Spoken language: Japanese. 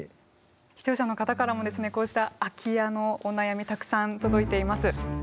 視聴者の方からもこうした空き家のお悩みたくさん届いています。